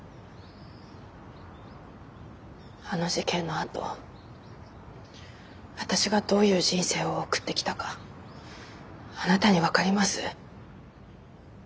あの事件のあと私がどういう人生を送ってきたかあなたに分かります？